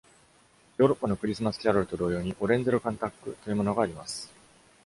ヨーロッパのクリスマス・キャロルと同様に、「オレンゼロ・カンタック」というものがあります。